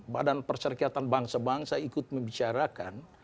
badan perserikatan bangsa bangsa ikut membicarakan